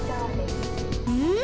うん？